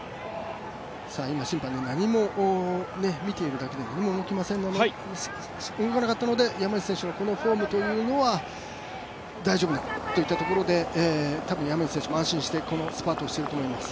今審判が何も見ているだけで何も動かなかったので山西選手のこのフォームというのは大丈夫だというところで多分、山西選手も安心してスパートしていると思います。